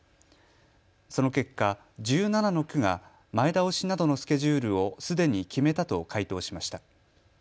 その結果、１７の区が前倒しなどのスケジュールをすでに決めたと回答しました。